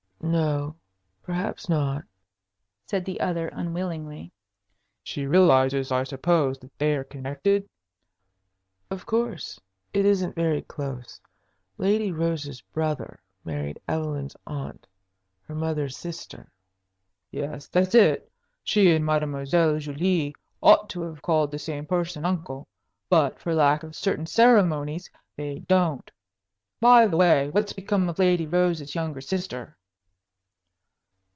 "No perhaps not," said the other, unwillingly. "She realizes, I suppose, that they are connected?" "Of course. It isn't very close. Lady Rose's brother married Evelyn's aunt, her mother's sister." "Yes, that's it. She and Mademoiselle Julie ought to have called the same person uncle; but, for lack of certain ceremonies, they don't. By the way, what became of Lady Rose's younger sister?"